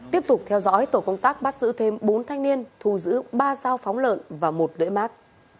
tiếp tục theo dõi tổ công tác bắt giữ thêm bốn thanh niên thu giữ ba dao phóng lợn và một đưỡi mát